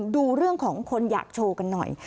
ดูเรื่องของคนอยากโชว์กันหน่อย